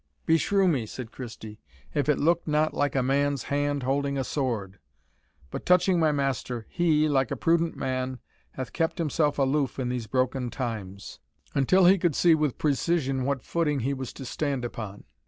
"Beshrew me," said Christie, "if it looked not like a man's hand holding a sword. But touching my master, he, like a prudent man, hath kept himself aloof in these broken times, until he could see with precision what footing he was to stand upon.